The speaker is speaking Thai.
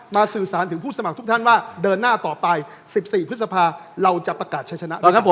มาสื่อสารถึงผู้สมัครทุกท่านว่าเดินหน้าต่อไป๑๔พฤษภาเราจะประกาศชนะ